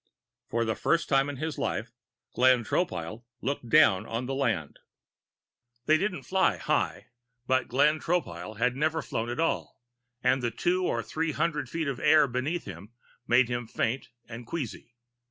For the first time in his life, Glenn Tropile looked down on the land. They didn't fly high but Glenn Tropile had never flown at all, and the two or three hundred feet of air beneath made him faint and queasy.